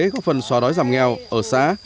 có phần xóa đói giảm nghèo ở xã